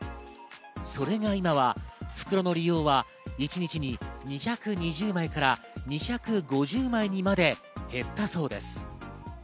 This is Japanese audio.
それが今は袋の利用は１日に２２０枚から２５０枚にまで減ったそうです。